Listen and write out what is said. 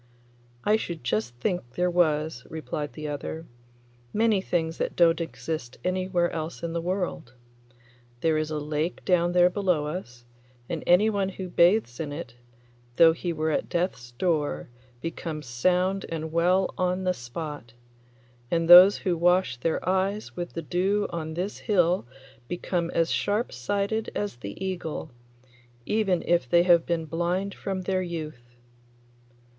'I should just think there was,' replied the other; 'many things that don't exist anywhere else in the world. There is a lake down there below us, and anyone who bathes in it, though he were at death's door, becomes sound and well on the spot, and those who wash their eyes with the dew on this hill become as sharp sighted as the eagle, even if they have been blind from their youth.